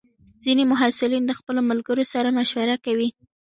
ځینې محصلین د خپلو ملګرو سره مشوره کوي.